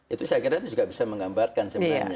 itu saya kira itu juga bisa menggambarkan sebenarnya